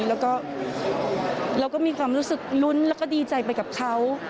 แล้วก็มีความรู้สึกรุ้นและดีใจไปกับเขา